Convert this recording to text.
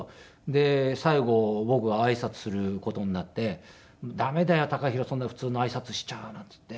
で最後僕が挨拶する事になって「駄目だよ貴博そんな普通の挨拶しちゃ」なんて言って。